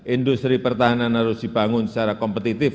industri pertahanan harus dibangun secara kompetitif